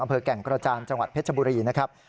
แก่งกระจานจังหวัดเพชรบุรีนะครับ